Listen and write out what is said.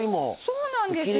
そうなんです。